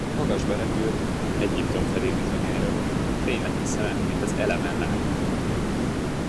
A magasba repült, Egyiptom felé bizonyára; fénylett a szeme, mint az eleven láng.